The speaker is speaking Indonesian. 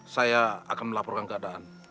saya akan melaporkan keadaan